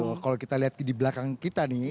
betul kalau kita lihat di belakang kita nih